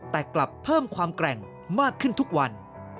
แต่กลับเพิ่มความแกร่งมากขึ้นทุกวัน